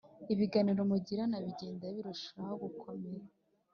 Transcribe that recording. ibiganiro mugirana bigenda birushaho gukomera.